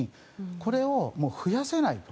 これを増やせないと。